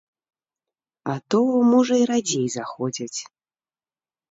А то, можа, і радзей заходзяць.